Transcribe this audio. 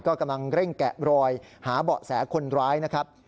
ก็กำลังเร่งแกะรอยหาเบาะแสคนร้ายนะครับ